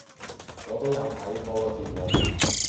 我都有睇嗰個節目！